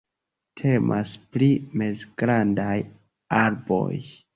Temas pri mezgrandaj arboj.